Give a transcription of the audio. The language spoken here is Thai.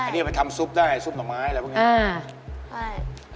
อันนี้มันทำซุปได้ซุปหน่อไม้อะไรพวกนี้